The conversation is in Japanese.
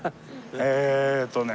えーっとね。